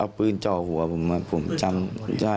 เอาปืนจอหัวผมมาผมจำได้ครับพี่